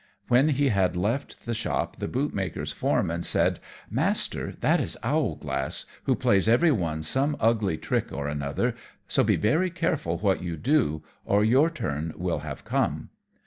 When he had left the shop, the bootmaker's foreman said, "Master, that is Owlglass, who plays every one some ugly trick or another, so be very careful what you do, or your turn will have come."